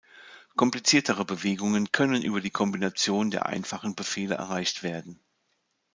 Kompliziertere Bewegungen können über die Kombination der einfachen Befehle erreicht werden.